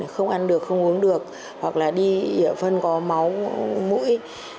không ăn được không uống được hoặc là đi ở phân có máu mũi